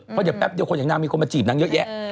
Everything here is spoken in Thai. เพราะเดี๋ยวแป๊บเดียวคนอย่างนางมีคนมาจีบนางเยอะแยะ